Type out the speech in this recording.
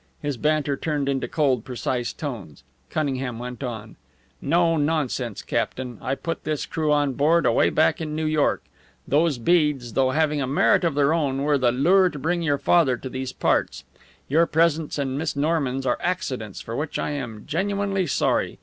His banter turned into cold, precise tones. Cunningham went on: "No nonsense, captain! I put this crew on board away back in New York. Those beads, though having a merit of their own, were the lure to bring your father to these parts. Your presence and Miss Norman's are accidents for which I am genuinely sorry.